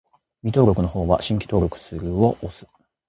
未登録の方は、「新規登録する」を押す